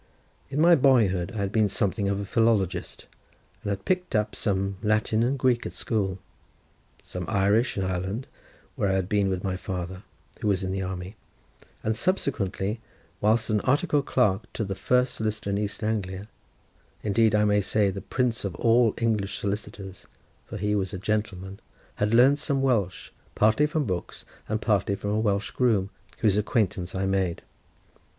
In my boyhood I had been something of a philologist; had picked up some Latin and Greek at school; some Irish in Ireland, where I had been with my father, who was in the army; and subsequently whilst an articled clerk to the first solicitor in East Anglia—indeed I may say the prince of all English solicitors—for he was a gentleman, had learnt some Welsh, partly from books and partly from a Welsh groom, whose acquaintance I had made.